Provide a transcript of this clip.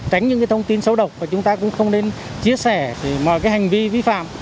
tránh những cái thông tin xấu độc và chúng ta cũng không nên chia sẻ mọi cái hành vi vi phạm